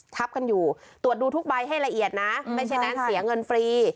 ทับกันอยู่ตรวจดูทุกใบให้ละเอียดนะไม่ใช่นั้นเสียเงินฟรี